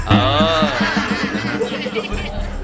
เออ